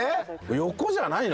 横じゃないの？